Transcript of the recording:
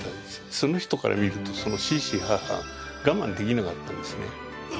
その人から見るとそのシーシーハーハーガマンできなかったんですね。